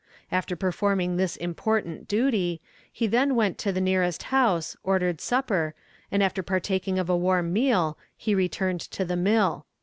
After performing this important duty, he then went to the nearest house, ordered supper, and after partaking of a warm meal, he returned to the mill.